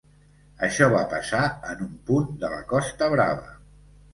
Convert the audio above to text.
Això va passar en un punt de la Costa Brava.